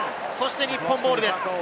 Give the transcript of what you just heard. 日本ボールです。